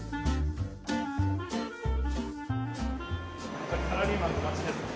やっぱりサラリーマンの街ですね。